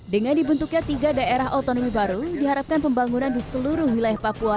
dengan dibentuknya tiga daerah otonomi baru diharapkan pembangunan di seluruh wilayah papua